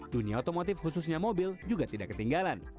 dunia otomotif khususnya mobil juga tidak ketinggalan